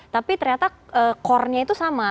tapi ternyata core nya itu sama